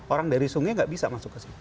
orang dari sungai nggak bisa masuk ke situ